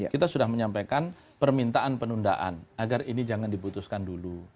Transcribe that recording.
kita sudah menyampaikan permintaan penundaan agar ini jangan diputuskan dulu